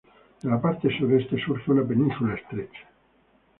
De la parte sureste surge una península estrecha.